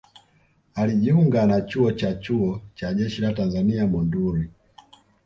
Alijiunga na Chuo cha Chuo cha Jeshi la Tanzania Monduli